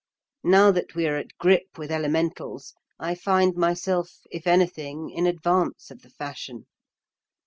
Now that we are at grip with elementals, I find myself, if anything, in advance of the fashion.